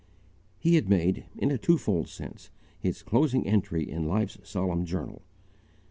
He had made, in a twofold sense, his closing entry in life's solemn journal!